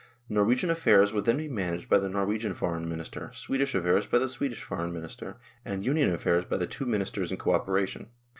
Norwegian affairs would then be managed by the Norwegian Foreign Minister, Swedish affairs by the Swedish Foreign Minister, and Union affairs by the two Ministers in co operation.